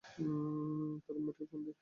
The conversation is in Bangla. তার রুমমেটকে ফোন দিই।